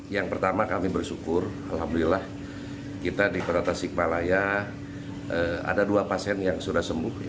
yang pertama kami bersyukur alhamdulillah kita di kota tasikmalaya ada dua pasien yang sudah sembuh